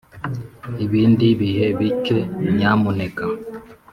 ibindi bihe bike nyamuneka